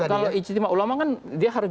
kalau ijtima ulama kan dia harus